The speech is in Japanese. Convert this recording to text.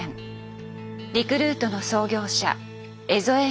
リクルートの創業者江副浩正。